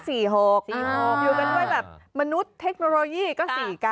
อยู่กันด้วยแบบมนุษย์เทคโนโลยีก็๔๙